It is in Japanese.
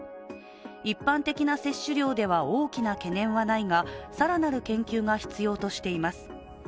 一般的な摂取量では大きな懸念はないが更なる研究が必要としています。